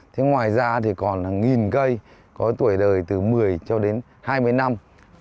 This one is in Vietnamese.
thế ngoài ra thì còn là một cây có tuổi đời từ một mươi cho đến hai mươi năm